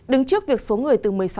đứng trước việc số người từ một mươi sáu